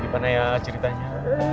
gimana ya ceritanya